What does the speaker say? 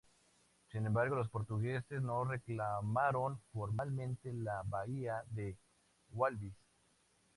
Sin embargo, los portugueses no reclamaron formalmente la bahía de Walvis.